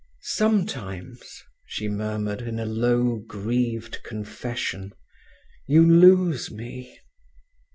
"Sometimes," she murmured, in a low, grieved confession, "you lose me."